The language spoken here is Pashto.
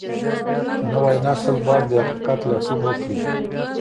نوی نسل باید د حقیقت لټون وکړي.